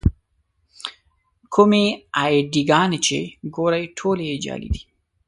کومې اې ډي ګانې چې ګورئ ټولې یې جعلي دي.